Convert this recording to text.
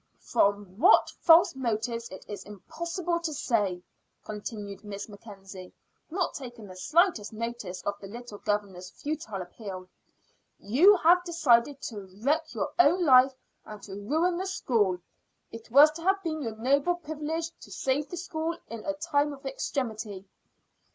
"From what false motives it is impossible to say," continued Miss Mackenzie, not taking the slightest notice of the little governor's futile appeal, "you have decided to wreck your own life and to ruin the school. It was to have been your noble privilege to save the school in a time of extremity.